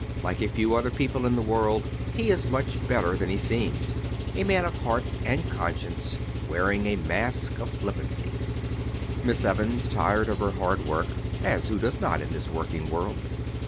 Like a few other people in the world, he is much better than he seems. A man of heart and conscience wearing a mask of flippancy." Miss Evans tired of her hard work, as who does not in this working world?